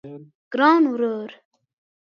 ګران ورور